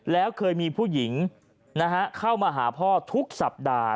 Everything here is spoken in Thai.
แล้วเคยมีผู้หญิงเข้ามาหาพ่อทุกสัปดาห์